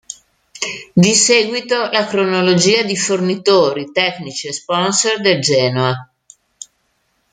Di seguito la cronologia di fornitori tecnici e sponsor del Genoa.